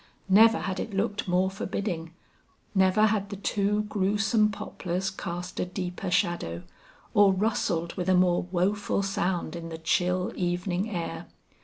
Never had it looked more forbidding; never had the two gruesome poplars cast a deeper shadow, or rustled with a more woful sound in the chill evening air.